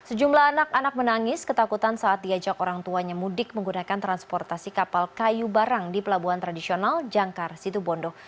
sejumlah anak anak menangis ketakutan saat diajak orang tuanya mudik menggunakan transportasi kapal kayu barang di pelabuhan tradisional jangkar situbondo